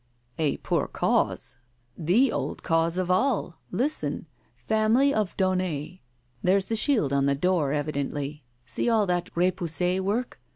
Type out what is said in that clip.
u Et pour cause. The old Cause of all! Listen! Family of Daunet. There's the shield on the door, evidently — see all that ripoussi work?